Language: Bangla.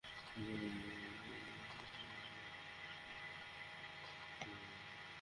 সেরকমটা হওয়ার কোনও সুযোগ নেই, এটা বরং সমাধান হতে পারে আমাদের জন্য!